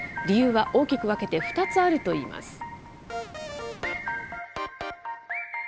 理由は大きく分けて２つあるといいます。